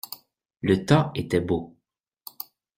Le temps était beau.